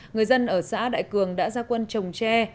người dân ở xã đại cường đã ra quân trồng tre